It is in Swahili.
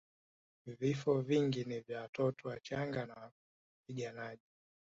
Vifo vingi ni vya watoto wachanga na wapiganaji